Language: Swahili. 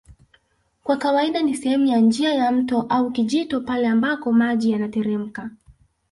Kwa kawaida ni sehemu ya njia ya mto au kijito pale ambako maji yanateremka